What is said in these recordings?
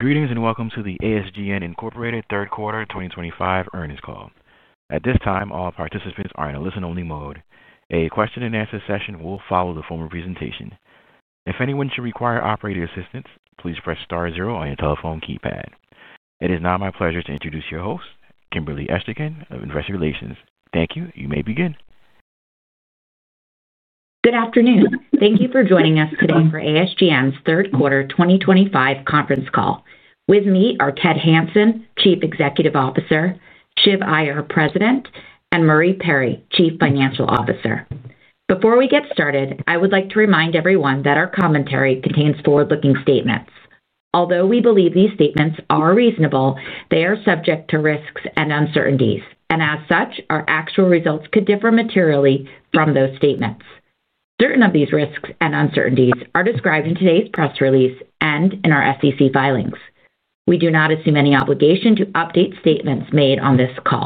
Greetings and welcome to the ASGN Incorporated Third Quarter 2025 earnings call. At this time, all participants are in a listen-only mode. A question and answer session will follow the formal presentation. If anyone should require operator assistance, please press star zero on your telephone keypad. It is now my pleasure to introduce your host, Kimberly Esterkin of Investor Relations. Thank you. You may begin. Good afternoon. Thank you for joining us today for ASGN's Third Quarter 2025 conference call. With me are Ted Hanson, Chief Executive Officer, Shiv Iyer, President, and Marie Perry, Chief Financial Officer. Before we get started, I would like to remind everyone that our commentary contains forward-looking statements. Although we believe these statements are reasonable, they are subject to risks and uncertainties, and as such, our actual results could differ materially from those statements. Certain of these risks and uncertainties are described in today's press release and in our SEC filings. We do not assume any obligation to update statements made on this call.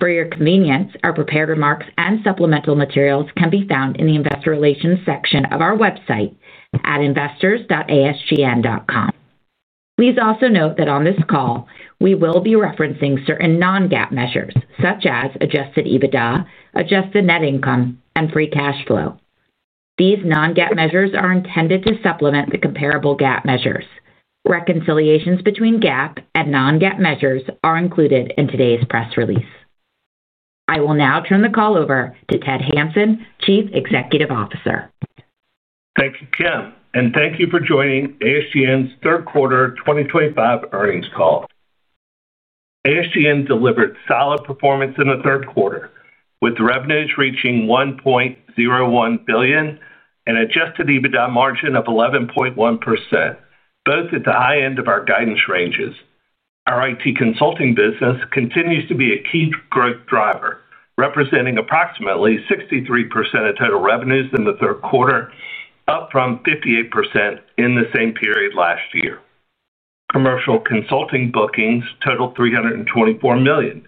For your convenience, our prepared remarks and supplemental materials can be found in the Investor Relations section of our website at investors.asgn.com. Please also note that on this call, we will be referencing certain non-GAAP measures such as Adjusted EBITDA, Adjusted Net Income, and Free Cash Flow. These non-GAAP measures are intended to supplement the comparable GAAP measures. Reconciliations between GAAP and non-GAAP measures are included in today's press release. I will now turn the call over to Ted Hanson, Chief Executive Officer. Thank you, Kim, and thank you for joining ASGN's Third Quarter 2025 earnings call. ASGN delivered solid performance in the third quarter, with revenues reaching $1.01 billion and an Adjusted EBITDA margin of 11.1%, both at the high end of our guidance ranges. Our IT consulting business continues to be a key growth driver, representing approximately 63% of total revenues in the third quarter, up from 58% in the same period last year. Commercial consulting bookings total $324 million,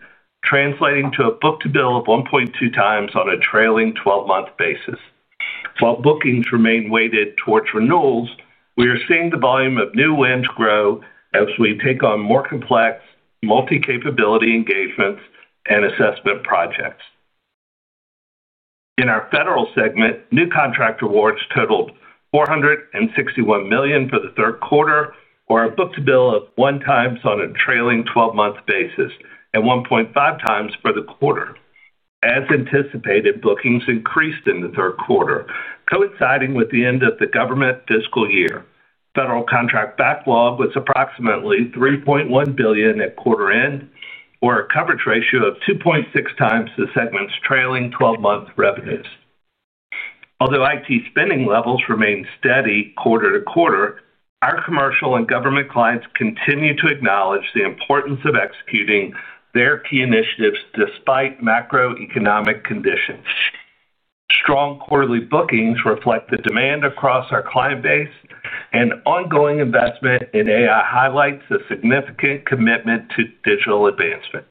translating to a book-to-bill of 1.2x on a trailing 12-month basis. While bookings remain weighted towards renewals, we are seeing the volume of new wins grow as we take on more complex, multi-capability engagements and assessment projects. In our federal segment, new contract awards totaled $461 million for the third quarter, or a book-to-bill of 1x on a trailing 12-month basis and 1.5x for the quarter. As anticipated, bookings increased in the third quarter, coinciding with the end of the government fiscal year. Federal contract backlog was approximately $3.1 billion at quarter end, or a coverage ratio of 2.6x the segment's trailing 12-month revenues. Although IT spending levels remain steady quarter-to-quarter, our commercial and government clients continue to acknowledge the importance of executing their key initiatives despite macroeconomic conditions. Strong quarterly bookings reflect the demand across our client base, and ongoing investment in AI highlights a significant commitment to digital advancement.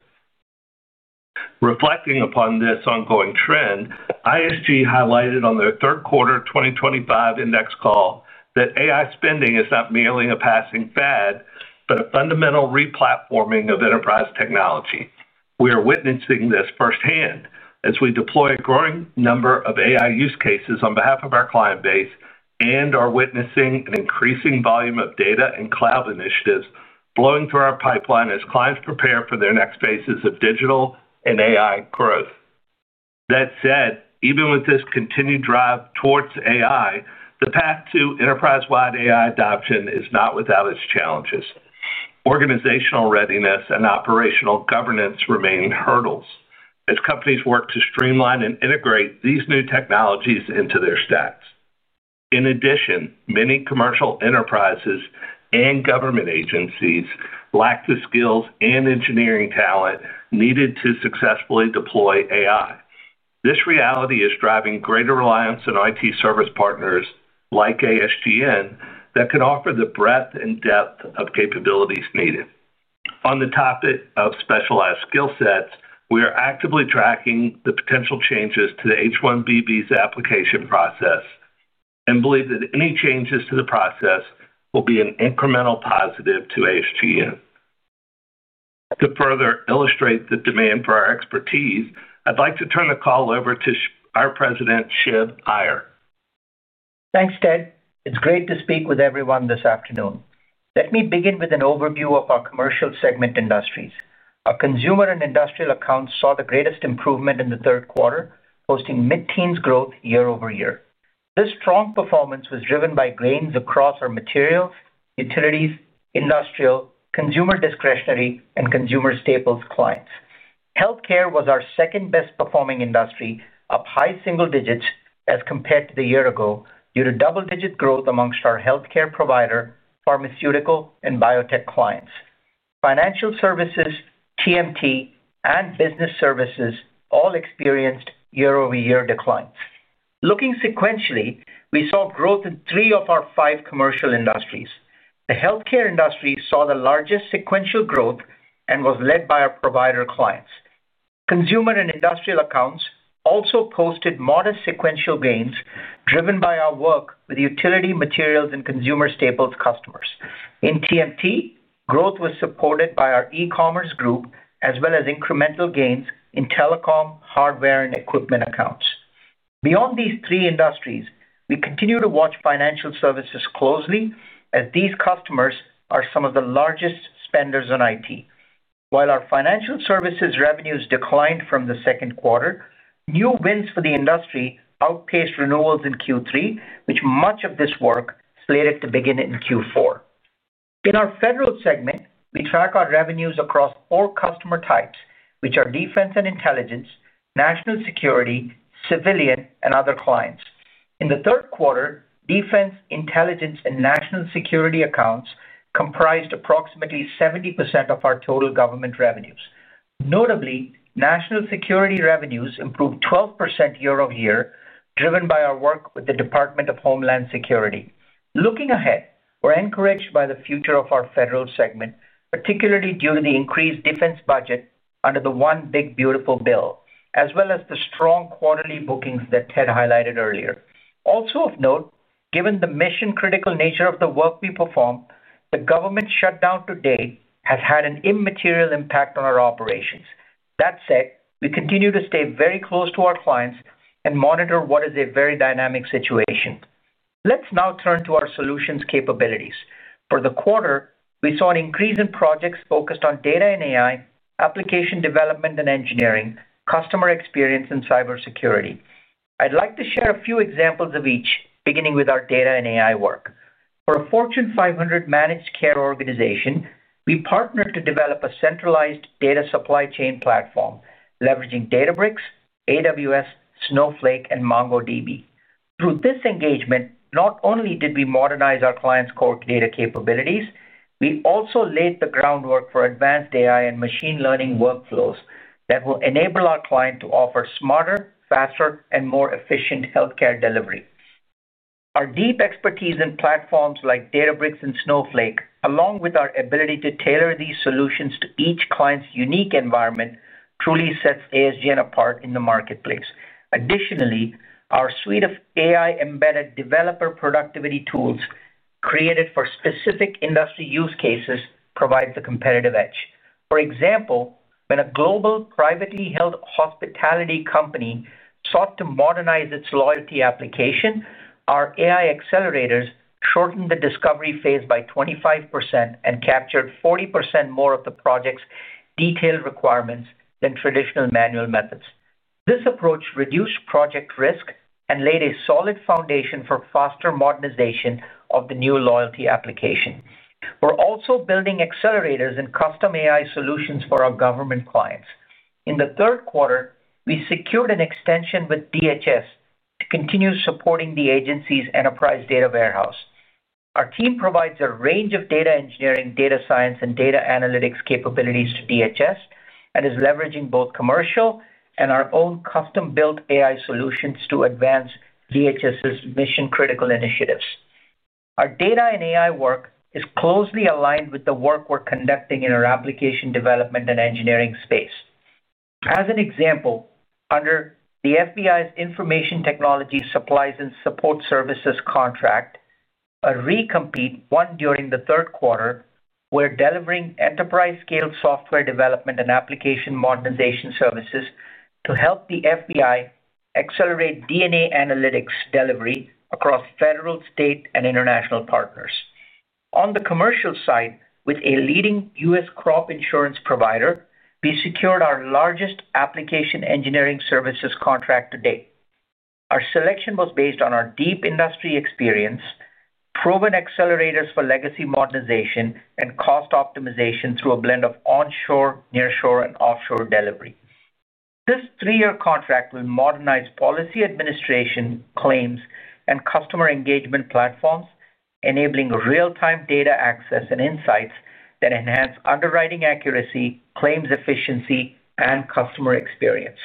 Reflecting upon this ongoing trend, ISG highlighted on their Third Quarter 2025 Index Call that AI spending is not merely a passing fad, but a fundamental replatforming of enterprise technology. We are witnessing this firsthand as we deploy a growing number of AI use cases on behalf of our client base, and are witnessing an increasing volume of data and cloud initiatives flowing through our pipeline as clients prepare for their next phases of digital and AI growth. That said, even with this continued drive towards AI, the path to enterprise-wide AI adoption is not without its challenges. Organizational readiness and operational governance remain hurdles as companies work to streamline and integrate these new technologies into their stacks. In addition, many commercial enterprises and government agencies lack the skills and engineering talent needed to successfully deploy AI. This reality is driving greater reliance on IT service partners like ASGN that can offer the breadth and depth of capabilities needed. On the topic of specialized skill sets, we are actively tracking the potential changes to the H-1B application process and believe that any changes to the process will be an incremental positive to ASGN. To further illustrate the demand for our expertise, I'd like to turn the call over to our President, Shiv Iyer. Thanks, Ted. It's great to speak with everyone this afternoon. Let me begin with an overview of our commercial segment industries. Our consumer and industrial accounts saw the greatest improvement in the third quarter, posting mid-teens growth year-over-year. This strong performance was driven by gains across our materials, utilities, industrial, consumer discretionary, and consumer staples clients. Healthcare was our second best-performing industry, up high single-digits as compared to the year ago due to double-digit growth amongst our healthcare provider, pharmaceutical, and biotech clients. Financial services, TMT, and business services all experienced year-over-year declines. Looking sequentially, we saw growth in three of our five commercial industries. The healthcare industry saw the largest sequential growth and was led by our provider clients. Consumer and industrial accounts also posted modest sequential gains, driven by our work with utility, materials, and consumer staples customers. In TMT, growth was supported by our e-commerce group as well as incremental gains in telecom, hardware, and equipment accounts. Beyond these three industries, we continue to watch financial services closely as these customers are some of the largest spenders in IT. While our financial services revenues declined from the second quarter, new wins for the industry outpaced renewals in Q3, with much of this work slated to begin in Q4. In our federal segment, we track our revenues across four customer types, which are defense and intelligence, national security, civilian, and other clients. In the third quarter, defense, intelligence, and national security accounts comprised approximately 70% of our total government revenues. Notably, national security revenues improved 12% year-over-year, driven by our work with the Department of Homeland Security. Looking ahead, we're encouraged by the future of our federal segment, particularly due to the increased defense budget under the One Big Beautiful Bill, as well as the strong quarterly bookings that Ted highlighted earlier. Also of note, given the mission-critical nature of the work we perform, the government shutdown to date has had an immaterial impact on our operations. That said, we continue to stay very close to our clients and monitor what is a very dynamic situation. Let's now turn to our solutions capabilities. For the quarter, we saw an increase in projects focused on data and AI, application development and engineering, customer experience, and cybersecurity. I'd like to share a few examples of each, beginning with our data and AI work. For a Fortune 500 managed care organization, we partnered to develop a centralized data supply chain platform leveraging Databricks, AWS, Snowflake, and MongoDB. Through this engagement, not only did we modernize our client's core data capabilities, we also laid the groundwork for advanced AI and machine learning workflows that will enable our client to offer smarter, faster, and more efficient healthcare delivery. Our deep expertise in platforms like Databricks and Snowflake, along with our ability to tailor these solutions to each client's unique environment, truly sets ASGN apart in the marketplace. Additionally, our suite of AI-embedded developer productivity tools created for specific industry use cases provides a competitive edge. For example, when a global privately held hospitality company sought to modernize its loyalty application, our AI accelerators shortened the discovery phase by 25% and captured 40% more of the project's detailed requirements than traditional manual methods. This approach reduced project risk and laid a solid foundation for faster modernization of the new loyalty application. We're also building accelerators and custom AI solutions for our government clients. In the third quarter, we secured an extension with DHS to continue supporting the agency's enterprise data warehouse. Our team provides a range of data engineering, data science, and data analytics capabilities to DHS and is leveraging both commercial and our own custom-built AI solutions to advance DHS's mission-critical initiatives. Our data and AI work is closely aligned with the work we're conducting in our application development and engineering space. As an example, under the FBI's Information Technology Supplies and Support Services contract, a recompete won during the third quarter, we're delivering enterprise-scale software development and application modernization services to help the FBI accelerate DNA analytics delivery across federal, state, and international partners. On the commercial side, with a leading U.S. crop insurance provider, we secured our largest application engineering services contract to date. Our selection was based on our deep industry experience, proven accelerators for legacy modernization, and cost optimization through a blend of onshore, nearshore, and offshore delivery. This three-year contract will modernize policy administration, claims, and customer engagement platforms, enabling real-time data access and insights that enhance underwriting accuracy, claims efficiency, and customer experience.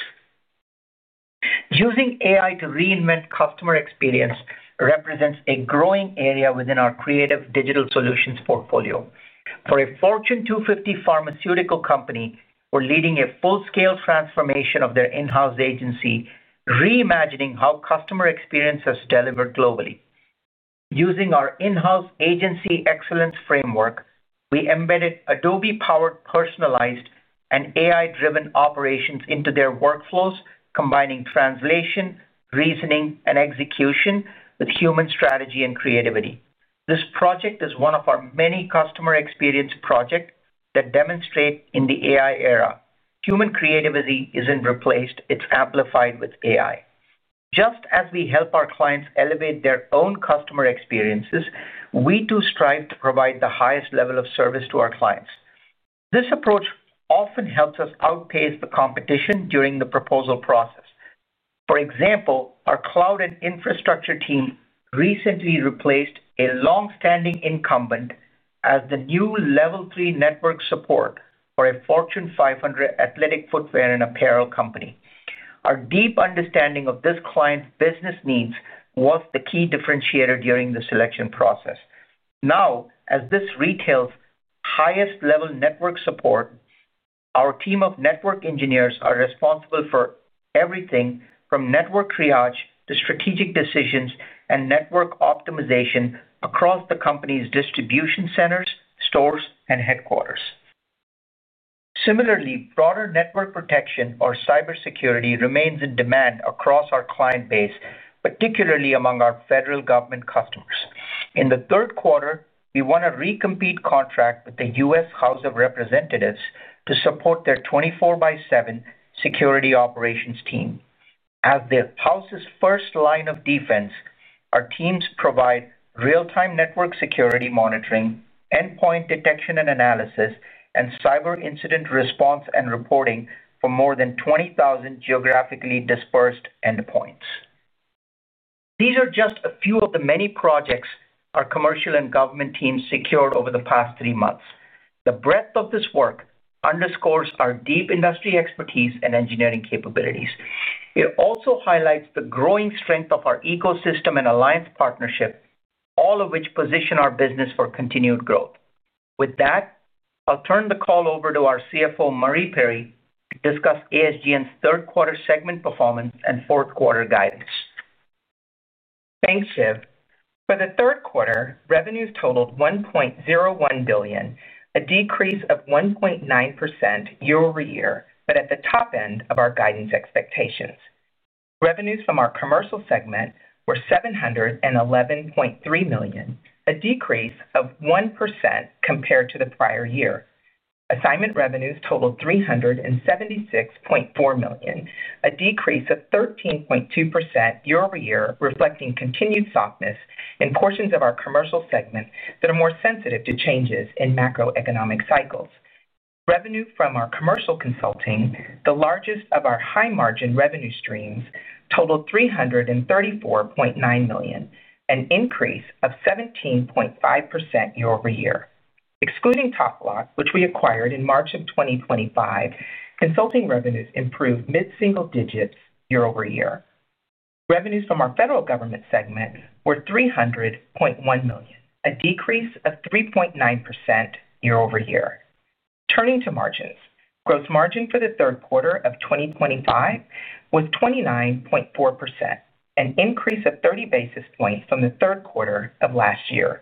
Using AI to reinvent customer experience represents a growing area within our creative digital solutions portfolio. For a Fortune 250 pharmaceutical company, we're leading a full-scale transformation of their in-house agency, reimagining how customer experience is delivered globally. Using our in-house agency excellence framework, we embedded Adobe-powered personalized and AI-driven operations into their workflows, combining translation, reasoning, and execution with human strategy and creativity. This project is one of our many customer experience projects that demonstrate in the AI era, human creativity isn't replaced, it's amplified with AI. Just as we help our clients elevate their own customer experiences, we too strive to provide the highest level of service to our clients. This approach often helps us outpace the competition during the proposal process. For example, our cloud and data infrastructure team recently replaced a longstanding incumbent as the new Level 3 network support for a Fortune 500 athletic footwear and apparel company. Our deep understanding of this client's business needs was the key differentiator during the selection process. Now, as this retailer's highest-level network support, our team of network engineers are responsible for everything from network triage to strategic decisions and network optimization across the company's distribution centers, stores, and headquarters. Similarly, broader network protection or cybersecurity remains in demand across our client base, particularly among our federal government customers. In the third quarter, we won a recompete contract with the U.S. House of Representatives to support their 24/7 security operations team. As the House's first line of defense, our teams provide real-time network security monitoring, endpoint detection and analysis, and cyber incident response and reporting for more than 20,000 geographically dispersed endpoints. These are just a few of the many projects our commercial and government teams secured over the past three months. The breadth of this work underscores our deep industry expertise and engineering capabilities. It also highlights the growing strength of our ecosystem and alliance partnership, all of which position our business for continued growth. With that, I'll turn the call over to our CFO, Marie Perry, to discuss ASGN's third quarter segment performance and fourth quarter guidance. Thanks, Shiv. For the third quarter, revenues totaled $1.01 billion, a decrease of 1.9% year-over-year, but at the top end of our guidance expectations. Revenues from our commercial segment were $711.3 million, a decrease of 1% compared to the prior year. Assignment revenues totaled $376.4 million, a decrease of 13.2% year-over-year, reflecting continued softness in portions of our commercial segment that are more sensitive to changes in macroeconomic cycles. Revenue from our commercial consulting, the largest of our high-margin revenue streams, totaled $334.9 million, an increase of 17.5% year-over-year. Excluding TopBloc, which we acquired in March of 2024, consulting revenues improved mid-single-digits year-over-year. Revenues from our federal government segment were $300.1 million, a decrease of 3.9% year-over-year. Turning to margins, gross margin for the third quarter of 2024 was 29.4%, an increase of 30 basis points from the third quarter of last year.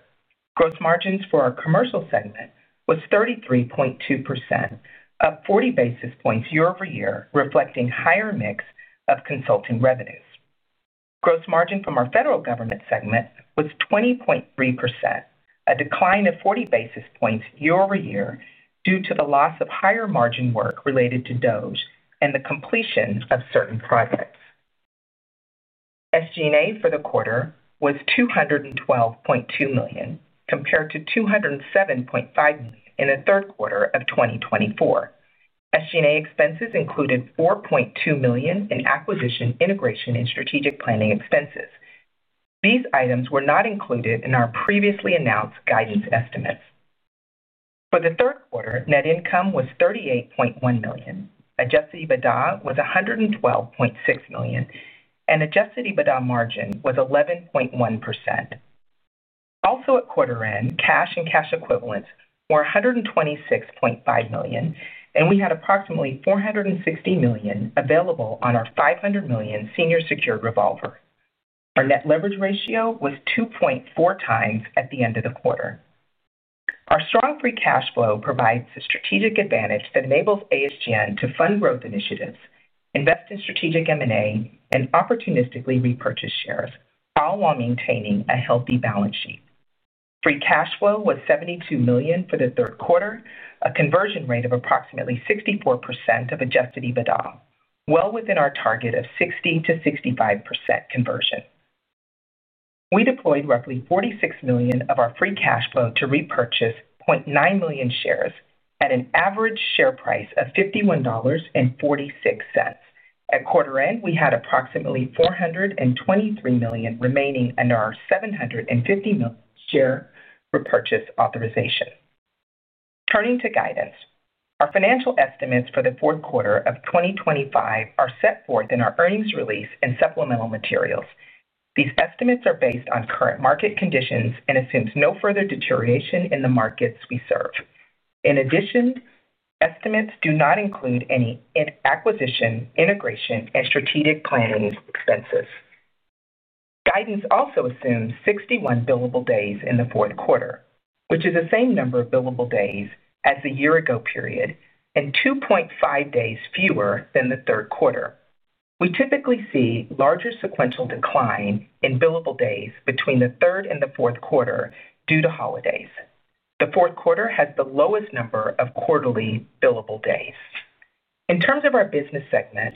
Gross margins for our commercial segment were 33.2%, up 40 basis points year-over-year, reflecting a higher mix of consulting revenues. Gross margin from our federal government segment was 20.3%, a decline of 40 basis points year-over-year due to the loss of higher margin work related to DoD and the completion of certain projects. SG&A for the quarter was $212.2 million compared to $207.5 million in the third quarter of 2023. SG&A expenses included $4.2 million in acquisition, integration, and strategic planning expenses. These items were not included in our previously announced guidance estimates. For the third quarter, net income was $38.1 million, Adjusted EBITDA was $112.6 million, and Adjusted EBITDA margin was 11.1%. Also at quarter end, cash and cash equivalents were $126.5 million, and we had approximately $460 million available on our $500 million senior secured revolver. Our net leverage ratio was 2.4x at the end of the quarter. Our strong Free Cash Flow provides a strategic advantage that enables ASGN to fund growth initiatives, invest in strategic M&A, and opportunistically repurchase shares, all while maintaining a healthy balance sheet. Free Cash Flow was $72 million for the third quarter, a conversion rate of approximately 64% of Adjusted EBITDA, well within our target of 60%-65% conversion. We deployed roughly $46 million of our Free Cash Flow to repurchase 0.9 million shares at an average share price of $51.46. At quarter end, we had approximately $423 million remaining under our $750 million share repurchase authorization. Turning to guidance, our financial estimates for the fourth quarter of 2025 are set forth in our earnings release and supplemental materials. These estimates are based on current market conditions and assume no further deterioration in the markets we serve. In addition, estimates do not include any acquisition, integration, and strategic planning expenses. Guidance also assumes 61 billable days in the fourth quarter, which is the same number of billable days as the year-ago period and 2.5 days fewer than the third quarter. We typically see larger sequential decline in billable days between the third and the fourth quarter due to holidays. The fourth quarter has the lowest number of quarterly billable days. In terms of our business segment,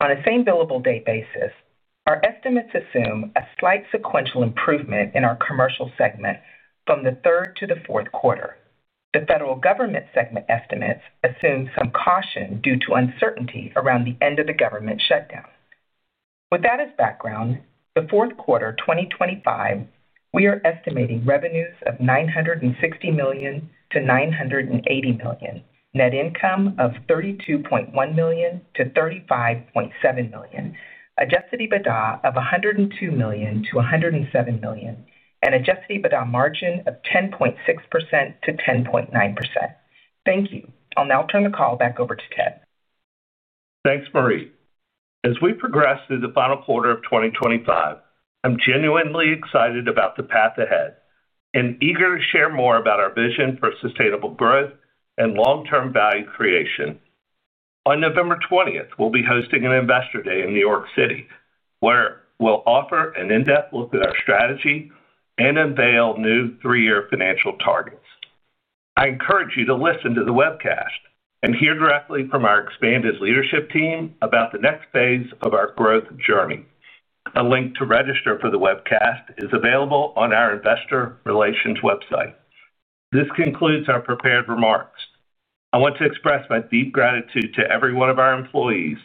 on a same billable day basis, our estimates assume a slight sequential improvement in our commercial segment from the third to the fourth quarter. The federal government segment estimates assume some caution due to uncertainty around the end of the government shutdown. With that as background, the fourth quarter 2025, we are estimating revenues of $960 million to $980 million, net income of $32.1 million-$35.7 million, Adjusted EBITDA of $102 million-$107 million, and Adjusted EBITDA margin of 10.6%-10.9%. Thank you. I'll now turn the call back over to Ted. Thanks, Marie. As we progress through the final quarter of 2025, I'm genuinely excited about the path ahead and eager to share more about our vision for sustainable growth and long-term value creation. On November 20, we'll be hosting an Investor Day in New York City, where we'll offer an in-depth look at our strategy and unveil new three-year financial targets. I encourage you to listen to the webcast and hear directly from our expanded leadership team about the next phase of our growth journey. A link to register for the webcast is available on our Investor Relations website. This concludes our prepared remarks. I want to express my deep gratitude to every one of our employees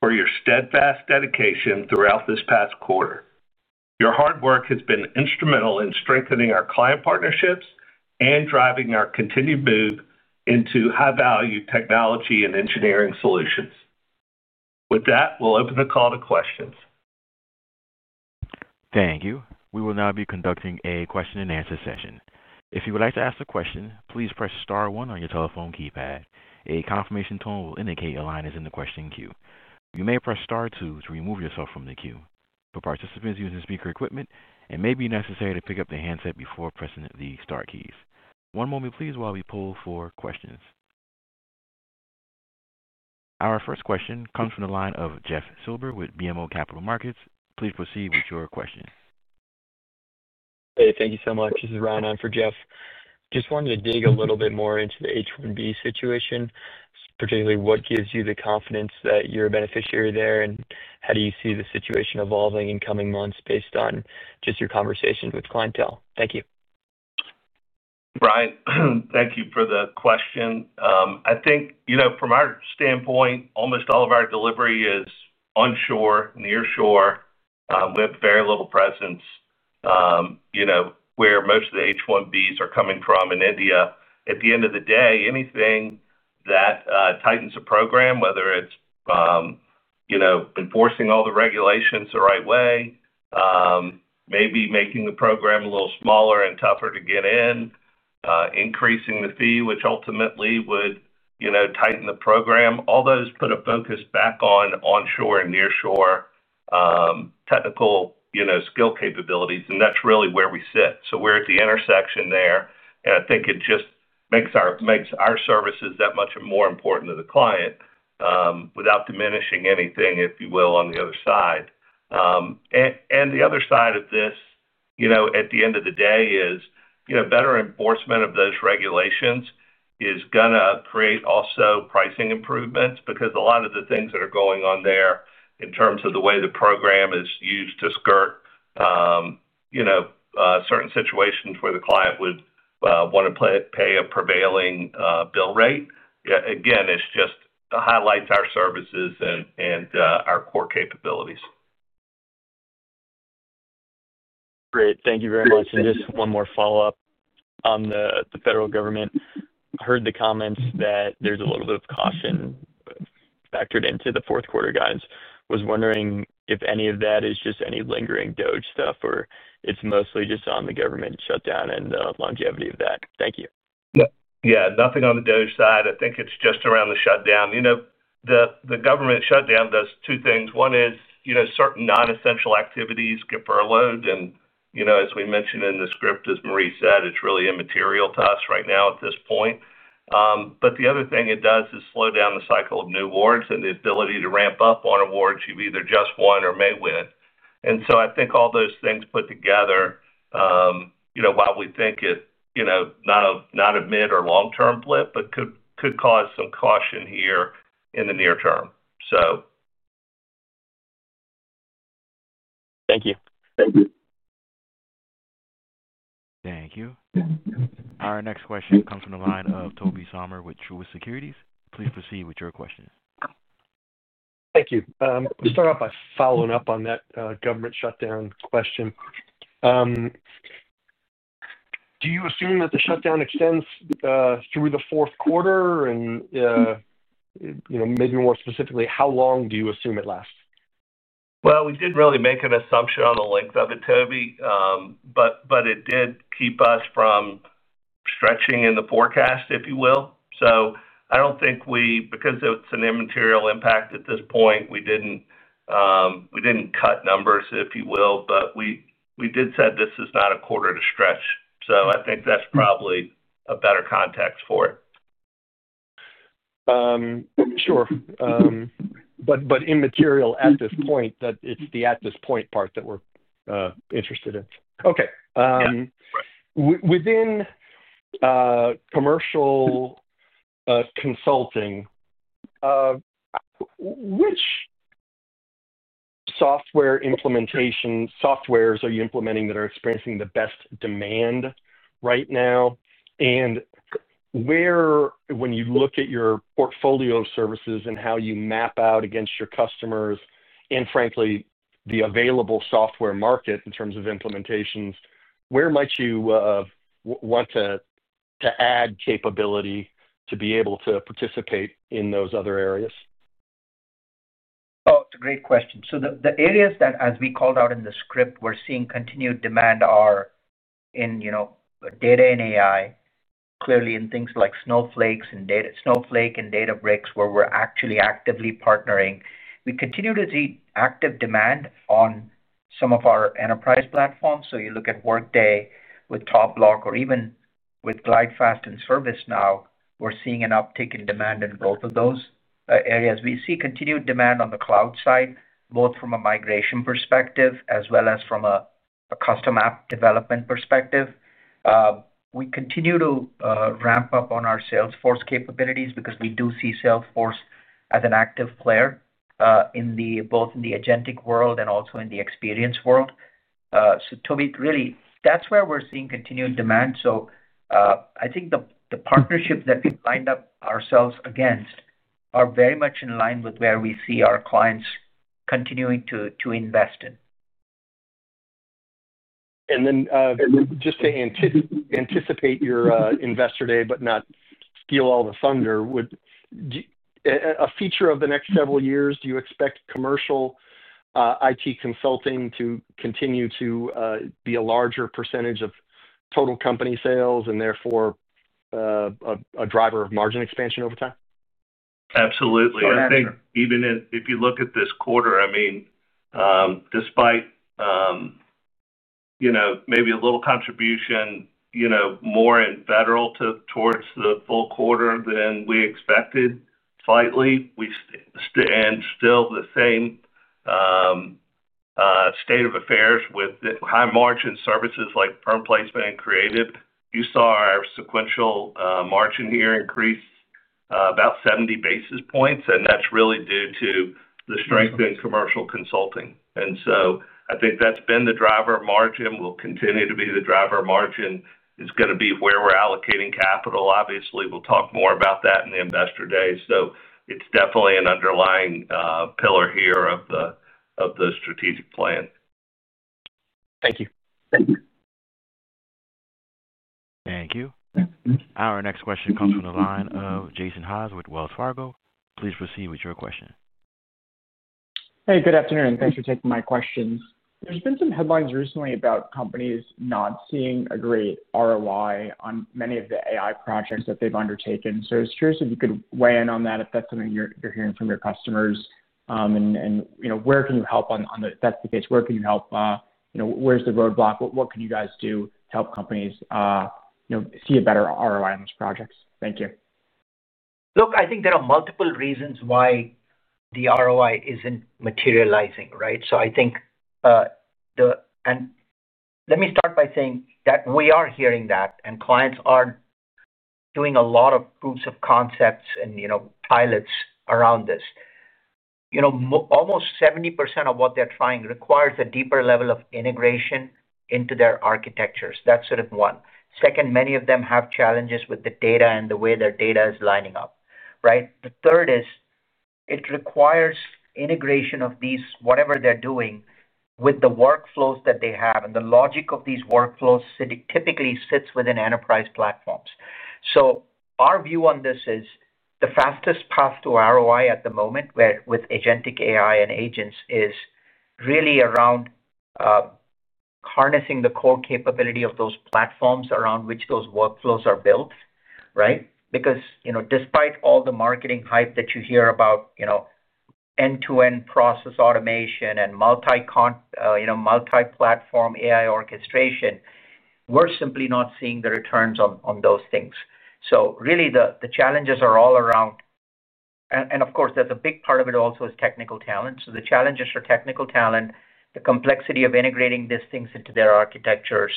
for your steadfast dedication throughout this past quarter. Your hard work has been instrumental in strengthening our client partnerships and driving our continued move into high-value technology and engineering solutions. With that, we'll open the call to questions. Thank you. We will now be conducting a question and answer session. If you would like to ask a question, please press star one on your telephone keypad. A confirmation tone will indicate your line is in the question queue. You may press star two to remove yourself from the queue. For participants using speaker equipment, it may be necessary to pick up the handset before pressing the star keys. One moment, please, while we pull for questions. Our first question comes from the line of Jeff Silber with BMO Capital Markets. Please proceed with your question. Hey, thank you so much. This is Ryan on for Jeff. Just wanted to dig a little bit more into the H-1B situation, particularly what gives you the confidence that you're a beneficiary there, and how do you see the situation evolving in coming months based on just your conversations with clientele? Thank you. Ryan, thank you for the question. I think, you know, from our standpoint, almost all of our delivery is onshore, nearshore. We have very little presence, you know, where most of the H-1B are coming from in India. At the end of the day, anything that tightens a program, whether it's, you know, enforcing all the regulations the right way, maybe making the program a little smaller and tougher to get in, increasing the fee, which ultimately would, you know, tighten the program, all those put a focus back on onshore and nearshore, technical, you know, skill capabilities. That's really where we sit. We're at the intersection there. I think it just makes our services that much more important to the client, without diminishing anything, if you will, on the other side. The other side of this, you know, at the end of the day is, you know, better enforcement of those regulations is going to create also pricing improvements because a lot of the things that are going on there in terms of the way the program is used to skirt, you know, certain situations where the client would want to pay a prevailing bill rate. It just highlights our services and our core capabilities. Great. Thank you very much. Just one more follow-up on the federal government. I heard the comments that there's a little bit of caution factored into the fourth quarter guidance. I was wondering if any of that is just any lingering DOJ stuff or if it's mostly just on the government shutdown and the longevity of that. Thank you. Yeah, nothing on the DOJ side. I think it's just around the shutdown. You know, the government shutdown does two things. One is, you know, certain non-essential activities get furloughed. As we mentioned in the script, as Marie said, it's really immaterial to us right now at this point. The other thing it does is slow down the cycle of new awards and the ability to ramp up on awards you've either just won or may win. I think all those things put together, while we think it, you know, not a mid or long-term blip, could cause some caution here in the near term. Thank you. Thank you. Thank you. Our next question comes from the line of Tobey Sommer with Truist Securities. Please proceed with your question. Thank you. To start off, following up on that government shutdown question, do you assume that the shutdown extends through the fourth quarter? Maybe more specifically, how long do you assume it lasts? We didn't really make an assumption on the length of it, Tobey, but it did keep us from stretching in the forecast, if you will. I don't think we, because it's an immaterial impact at this point, we didn't cut numbers, if you will. We did say this is not a quarter to stretch. I think that's probably a better context for it. Sure. It's the at this point part that we're interested in. Within commercial consulting, which software implementation softwares are you implementing that are experiencing the best demand right now? When you look at your portfolio services and how you map out against your customers and, frankly, the available software market in terms of implementations, where might you want to add capability to be able to participate in those other areas? Oh, it's a great question. The areas that, as we called out in the script, we're seeing continued demand are in, you know, data and AI, clearly in things like Snowflake and Databricks, where we're actually actively partnering. We continue to see active demand on some of our enterprise platforms. You look at Workday with TopBloc or even with GlideFast and ServiceNow. We're seeing an uptick in demand and growth of those areas. We see continued demand on the cloud side, both from a migration perspective as well as from a custom app development perspective. We continue to ramp up on our Salesforce capabilities because we do see Salesforce as an active player, in both the Agentic world and also in the experience world. Toby, really, that's where we're seeing continued demand. I think the partnerships that we've lined up ourselves against are very much in line with where we see our clients continuing to invest in. Just to anticipate your Investor Day, but not steal all the thunder, would you, as you feature the next several years, do you expect commercial IT consulting to continue to be a larger percentage of total company sales and therefore a driver of margin expansion over time? Absolutely. I think even if you look at this quarter, despite maybe a little contribution, more in federal towards the full quarter than we expected, slightly, we stay and still the same state of affairs with the high margin services like firm placement and creative. You saw our sequential margin here increase about 70 basis points, and that's really due to the strength in commercial consulting. I think that's been the driver of margin. We'll continue to be the driver of margin. It's going to be where we're allocating capital. Obviously, we'll talk more about that in the Investor Day. It's definitely an underlying pillar here of the strategic plan. Thank you. Thank you. Thank you. Our next question comes from the line of Jason Haas with Wells Fargo. Please proceed with your question. Hey, good afternoon. Thanks for taking my questions. There's been some headlines recently about companies not seeing a great ROI on many of the AI projects that they've undertaken. I was curious if you could weigh in on that, if that's something you're hearing from your customers, and you know, where can you help if that's the case, where can you help, you know, where's the roadblock? What can you guys do to help companies, you know, see a better ROI on those projects? Thank you. I think there are multiple reasons why the ROI isn't materializing, right? I think, and let me start by saying that we are hearing that, and clients are doing a lot of proofs of concepts and pilots around this. Almost 70% of what they're trying requires a deeper level of integration into their architectures. That's one. Second, many of them have challenges with the data and the way their data is lining up, right? The third is it requires integration of these, whatever they're doing, with the workflows that they have, and the logic of these workflows typically sits within enterprise platforms. Our view on this is the fastest path to ROI at the moment with Agentic AI and agents is really around harnessing the core capability of those platforms around which those workflows are built, right? Because, despite all the marketing hype that you hear about end-to-end process automation and multi-platform AI orchestration, we're simply not seeing the returns on those things. The challenges are all around, and of course, a big part of it also is technical talent. The challenges for technical talent, the complexity of integrating these things into their architectures,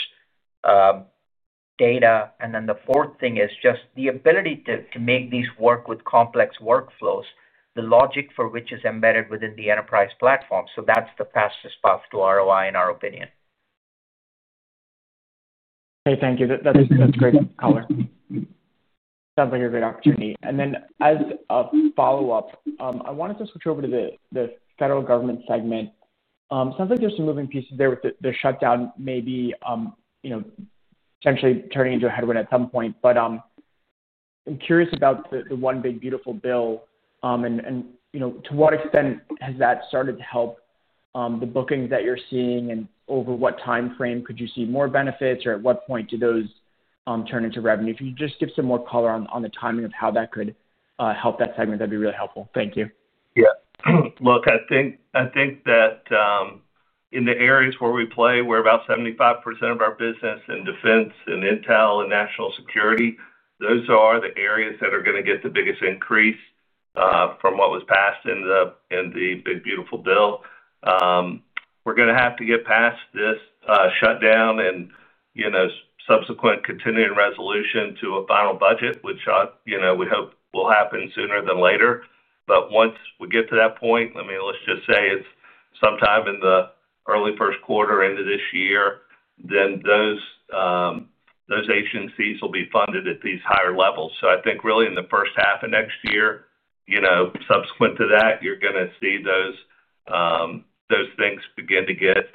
data, and then the fourth thing is just the ability to make these work with complex workflows, the logic for which is embedded within the enterprise platform. That's the fastest path to ROI in our opinion. Okay. Thank you. That's a great color. Sounds like a great opportunity. As a follow-up, I wanted to switch over to the federal government segment. It sounds like there's some moving pieces there with the shutdown maybe, you know, potentially turning into a headwind at some point. I'm curious about the One Big Beautiful Bill, and you know, to what extent has that started to help the bookings that you're seeing, and over what timeframe could you see more benefits, or at what point do those turn into revenue? If you could just give some more color on the timing of how that could help that segment, that'd be really helpful. Thank you. Yeah. I think that, in the areas where we play, we're about 75% of our business in defense and intel and national security. Those are the areas that are going to get the biggest increase, from what was passed in the Big Beautiful Bill. We're going to have to get past this shutdown and, you know, subsequent continuing resolution to a final budget, which, you know, we hope will happen sooner than later. Once we get to that point, I mean, let's just say it's sometime in the early first quarter into this year, then those agencies will be funded at these higher levels. I think really in the first half of next year, you know, subsequent to that, you're going to see those things begin to get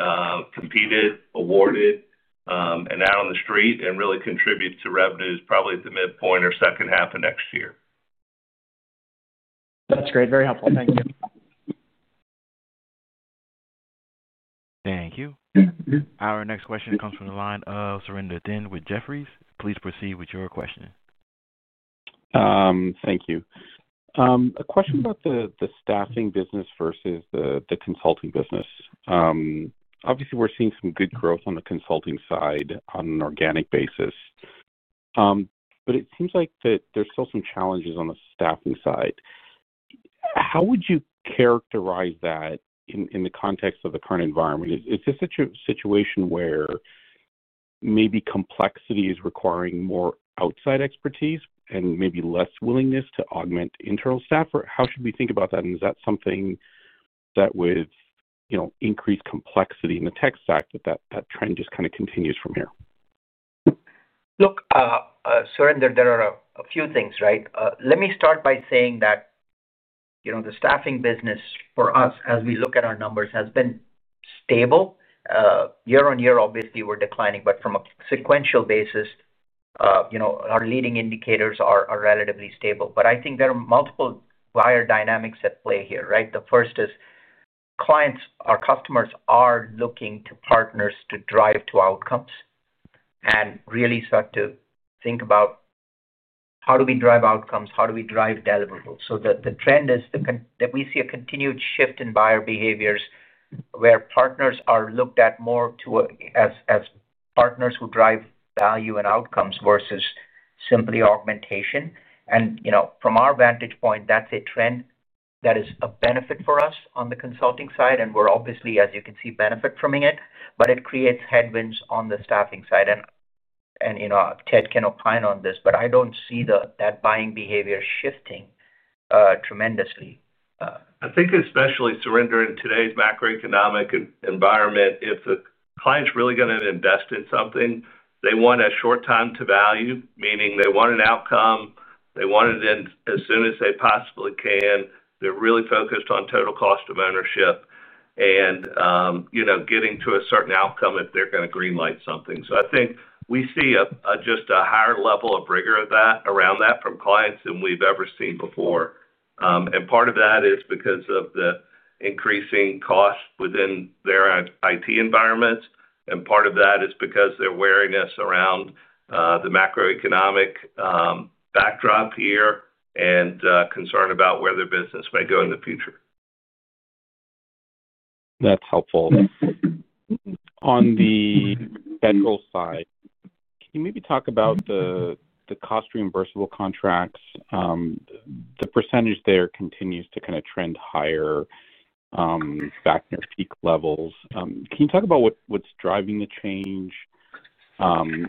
competed, awarded, and out on the street and really contribute to revenues probably at the midpoint or second half of next year. That's great. Very helpful. Thank you. Thank you. Our next question comes from the line of Surinder Thind with Jefferies. Please proceed with your question. Thank you. A question about the staffing business versus the consulting business. Obviously, we're seeing some good growth on the consulting side on an organic basis. It seems like there's still some challenges on the staffing side. How would you characterize that in the context of the current environment? Is this a situation where maybe complexity is requiring more outside expertise and maybe less willingness to augment internal staff? How should we think about that? Is that something that with increased complexity in the tech stack that trend just kind of continues from here? Look, Surinder, there are a few things, right? Let me start by saying that, you know, the staffing business for us, as we look at our numbers, has been stable. Year-on-year, obviously, we're declining, but from a sequential basis, you know, our leading indicators are relatively stable. I think there are multiple wider dynamics at play here, right? The first is clients or customers are looking to partners to drive to outcomes and really start to think about how do we drive outcomes? How do we drive deliverables? The trend is that we see a continued shift in buyer behaviors where partners are looked at more as partners who drive value and outcomes versus simply augmentation. You know, from our vantage point, that's a trend that is a benefit for us on the consulting side. We're obviously, as you can see, benefiting from it, but it creates headwinds on the staffing side. Ted can opine on this, but I don't see that buying behavior shifting tremendously. I think especially, Surinder, in today's macroeconomic environment, if the client's really going to invest in something, they want a short time to value, meaning they want an outcome. They want it in as soon as they possibly can. They're really focused on total cost of ownership and, you know, getting to a certain outcome if they're going to greenlight something. I think we see just a higher level of rigor around that from clients than we've ever seen before. Part of that is because of the increasing costs within their IT environments. Part of that is because they're wary around the macroeconomic backdrop here and concerned about where their business may go in the future. That's helpful. On the federal side, can you maybe talk about the cost-reimbursable contracts? The percentage there continues to kind of trend higher back to their peak levels. Can you talk about what's driving the change and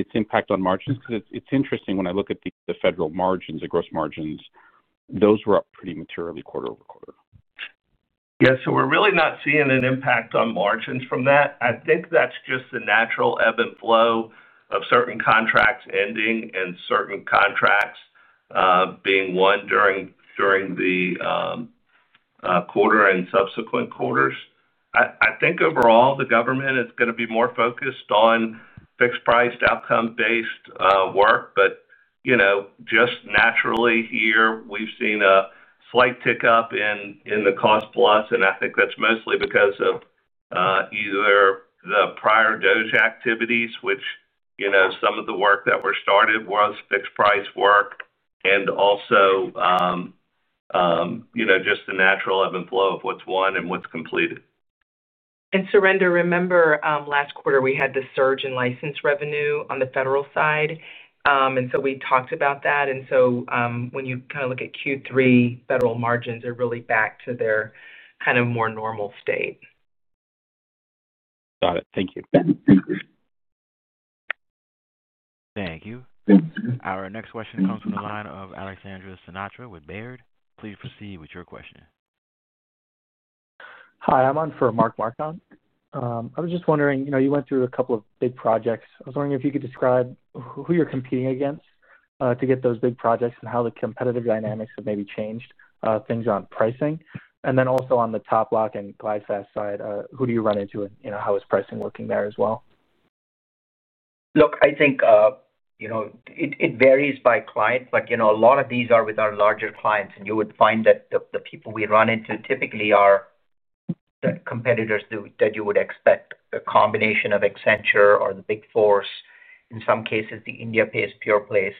its impact on margins? Because it's interesting when I look at the federal margins, the gross margins, those were up pretty materially quarter-over-quarter. Yeah. We're really not seeing an impact on margins from that. I think that's just the natural ebb and flow of certain contracts ending and certain contracts being won during the quarter and subsequent quarters. I think overall, the government is going to be more focused on fixed-priced, outcome-based work. You know, just naturally here, we've seen a slight tick up in the cost plus. I think that's mostly because of either the prior DOJ activities, which, you know, some of the work that was started was fixed-price work, and also just the natural ebb and flow of what's won and what's completed. Surinder, remember, last quarter we had the surge in license revenue on the federal side, and we talked about that. When you kind of look at Q3, federal margins are really back to their kind of more normal state. Got it. Thank you. Thank you. Our next question comes from the line of Alexander Sinatra with Baird. Please proceed with your question. Hi. I'm on for Mark Marcon. I was just wondering, you know, you went through a couple of big projects. I was wondering if you could describe who you're competing against to get those big projects and how the competitive dynamics have maybe changed things on pricing. Also, on the TopBloc and GlideFast side, who do you run into and, you know, how is pricing working there as well? Look, I think it varies by client. A lot of these are with our larger clients, and you would find that the people we run into typically are the competitors that you would expect, a combination of Accenture or the Big Four. In some cases, the India-based pure plays.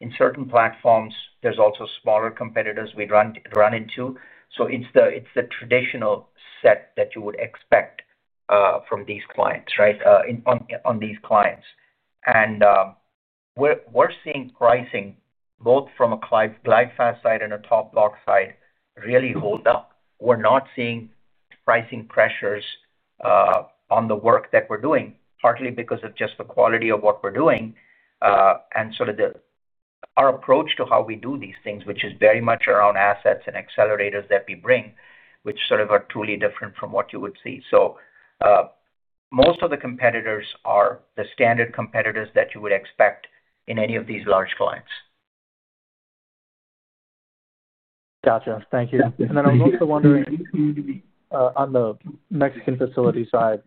In certain platforms, there's also smaller competitors we run into. It's the traditional set that you would expect from these clients, right? We're seeing pricing both from a GlideFast side and a TopBloc side really hold up. We're not seeing pricing pressures on the work that we're doing, partly because of just the quality of what we're doing and our approach to how we do these things, which is very much around assets and accelerators that we bring, which are truly different from what you would see. Most of the competitors are the standard competitors that you would expect in any of these large clients. Gotcha. Thank you. I'm also wondering, on the Mexican facility side,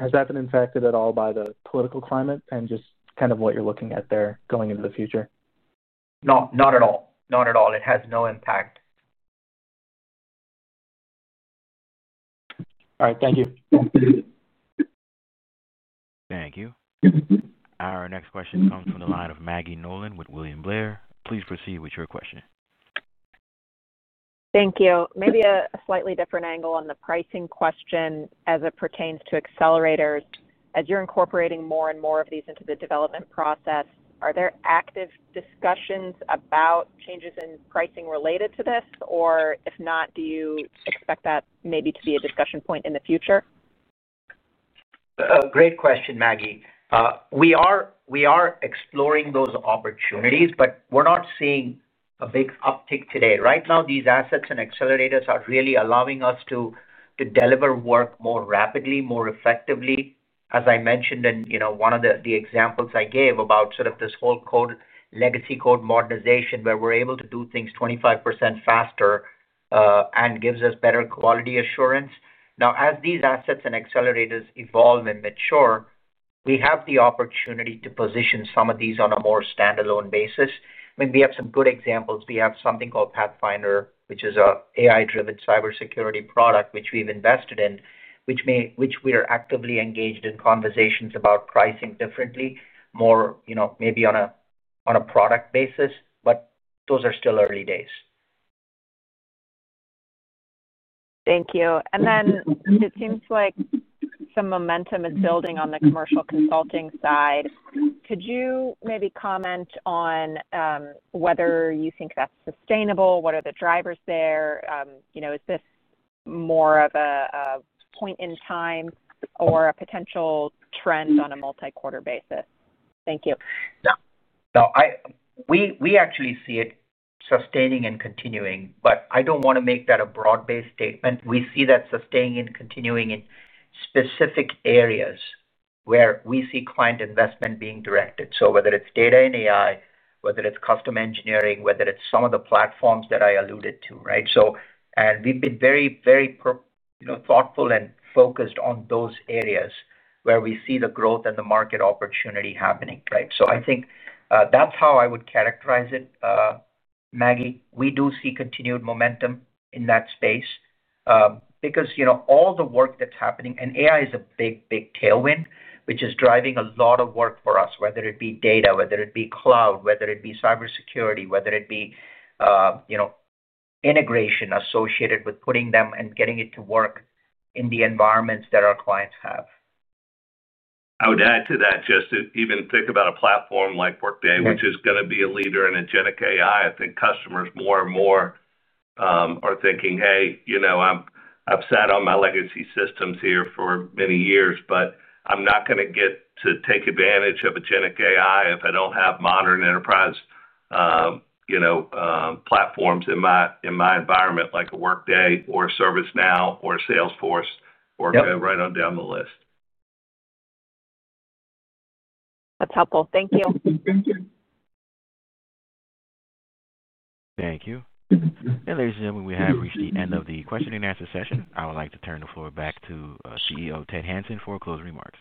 has that been impacted at all by the political climate and just kind of what you're looking at there going into the future? No, not at all. It has no impact. All right. Thank you. Thank you. Our next question comes from the line of Maggie Nolan with William Blair. Please proceed with your question. Thank you. Maybe a slightly different angle on the pricing question as it pertains to AI accelerators. As you're incorporating more and more of these into the development process, are there active discussions about changes in pricing related to this? If not, do you expect that maybe to be a discussion point in the future? Great question, Maggie. We are exploring those opportunities, but we're not seeing a big uptick today. Right now, these assets and accelerators are really allowing us to deliver work more rapidly, more effectively. As I mentioned, one of the examples I gave about this whole code legacy code modernization where we're able to do things 25% faster, and gives us better quality assurance. Now, as these assets and accelerators evolve and mature, we have the opportunity to position some of these on a more standalone basis. I mean, we have some good examples. We have something called Pathfinder, which is an AI-driven cybersecurity product, which we've invested in, which we are actively engaged in conversations about pricing differently, maybe on a product basis, but those are still early days. Thank you. It seems like some momentum is building on the commercial consulting side. Could you maybe comment on whether you think that's sustainable? What are the drivers there? You know, is this more of a point in time or a potential trend on a multi-quarter basis? Thank you. Yeah. No, we actually see it sustaining and continuing, but I don't want to make that a broad-based statement. We see that sustaining and continuing in specific areas where we see client investment being directed. Whether it's data and AI, whether it's custom engineering, whether it's some of the platforms that I alluded to, right? We've been very, very thoughtful and focused on those areas where we see the growth and the market opportunity happening, right? I think that's how I would characterize it, Maggie. We do see continued momentum in that space, because all the work that's happening, and AI is a big, big tailwind, which is driving a lot of work for us, whether it be data, whether it be cloud, whether it be cybersecurity, whether it be integration associated with putting them and getting it to work in the environments that our clients have. I would add to that, just to even think about a platform like Workday, which is going to be a leader in Agentic AI. I think customers more and more are thinking, "Hey, you know, I've sat on my legacy systems here for many years, but I'm not going to get to take advantage of Agentic AI if I don't have modern enterprise, you know, platforms in my environment like a Workday or a ServiceNow or a Salesforce or go right on down the list. That's helpful. Thank you. Thank you. Ladies and gentlemen, we have reached the end of the question and answer session. I would like to turn the floor back to CEO Ted Hanson for closing remarks.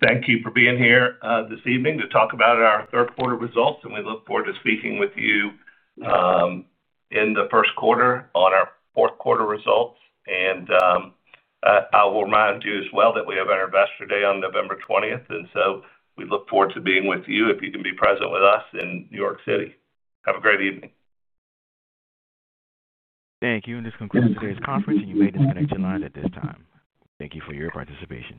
Thank you for being here this evening to talk about our third quarter results. We look forward to speaking with you in the first quarter on our fourth quarter results. I will remind you as well that we have our Investor Day on November 20. We look forward to being with you if you can be present with us in New York City. Have a great evening. Thank you. This concludes today's conference, and you may disconnect your lines at this time. Thank you for your participation.